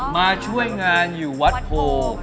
มาช่วยงานอยู่วัดโพ